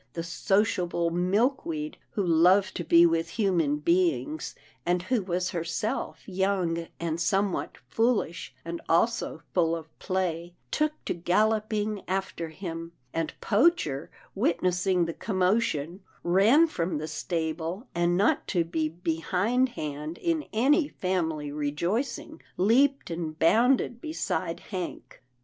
The sociable Milkweed, who loved to be with human beings, and who was herself young and somewhat foolish, and also full of play, took to galloping after him, and Poacher, witnessing the commotion, ran from the stable, and, not to be behindhand in any family rejoicing, leaped and bounded beside Hank.